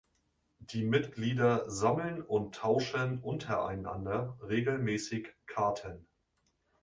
Die Mitglieder sammeln und tauschen untereinander regelmäßig Karten.